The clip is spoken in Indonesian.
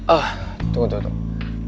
oh tunggu tunggu tunggu